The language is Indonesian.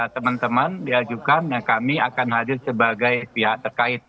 teman teman diajukan dan kami akan hadir sebagai pihak terkait